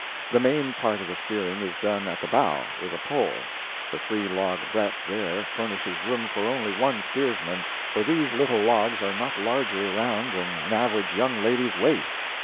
The main part of the steering is done at the bow, with a pole; the three log breadth there furnishes room for only the steersman, for these little logs are not larger around than an average young lady's waist.